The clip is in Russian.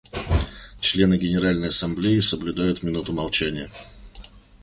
Члены Генеральной Ассамблеи соблюдают минуту молчания.